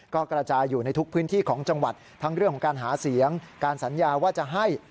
ก็กระจายอยู่ในทุกพื้นที่ของจังหวัดทั้งเรื่องของการหาเสียงการสัญญาว่าจะให้